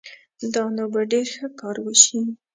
دا نو به ډېر ښه کار وشي